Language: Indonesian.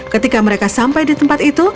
ketika mereka sampai di tempat itu